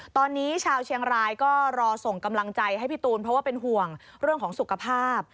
ตอนนี้ชาวเชียงรายก็รอส่งกำลังใจให้พี่ตูนเพราะว่าเป็นห่วงเรื่องของสุขภาพ